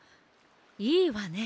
いいわね。